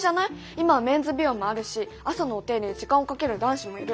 今はメンズ美容もあるし朝のお手入れに時間をかける男子もいる。